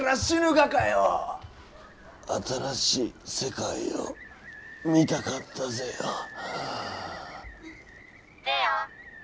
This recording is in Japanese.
新しい世界を見たかったぜよ。